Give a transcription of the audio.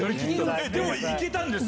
でもいけたんですね。